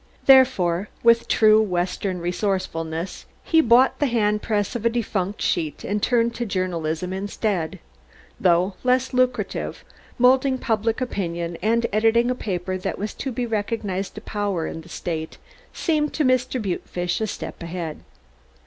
Therefore, with true western resourcefulness he bought the handpress of a defunct sheet and turned to journalism instead. Though less lucrative, moulding public opinion and editing a paper that was to be a recognized power in the state seemed to Mr. Butefish a step ahead.